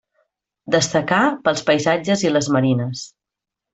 Destacà pels paisatges i les marines.